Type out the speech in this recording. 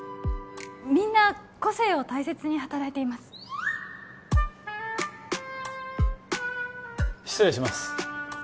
みんな個性を大切に働いています失礼します